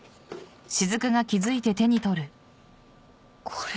これ。